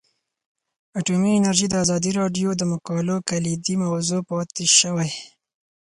اټومي انرژي د ازادي راډیو د مقالو کلیدي موضوع پاتې شوی.